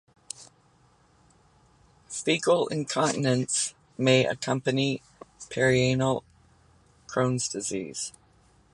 Fecal incontinence may accompany perianal Crohn's disease.